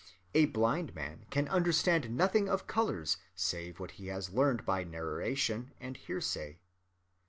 A blind man can understand nothing of colors save what he has learned by narration and hearsay.